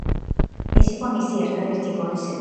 ეს იყო მისი ერთადერთი გოლი სეზონში.